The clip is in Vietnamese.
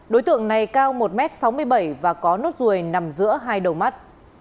đối tượng này cao một m sáu mươi bảy và có nốt ruồi nằm giữa hai đầu mắt